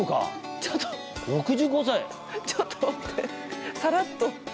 ちょっと待ってさらっと。